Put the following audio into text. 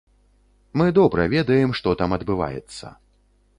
Мы добра ведаем, што там адбываецца.